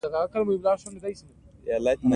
ښارونه د اشرافو او پاچاهانو له نفوذ بهر رامنځته شول